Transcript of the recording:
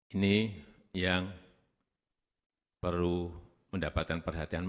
ini yang perlu mendapatkan perhatian